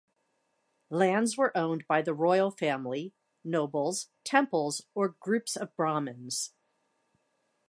Lands were owned by the royal family, nobles, temples or groups of Brahmans.